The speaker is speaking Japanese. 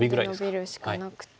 ノビるしかなくて。